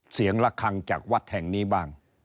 เสียงละครังจากวัดแห่งนี้บ้าง